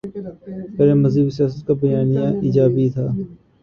پہلے مذہبی سیاست کا بیانیہ ایجابی تھا۔